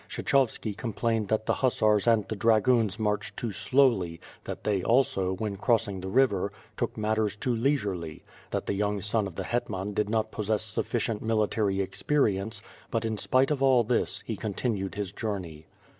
Ksheehovski complained that the hussars and the dragoons marched too slowly; that they also, when crossing the river, took matters too leisurely; that the young son of the hetman did not possess sufficient military exper ience; but in spite of all this he continued his journey.